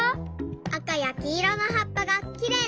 あかやきいろのはっぱがきれいだよね。